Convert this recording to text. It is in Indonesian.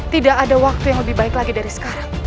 tidak ada waktu yang lebih baik lagi dari sekarang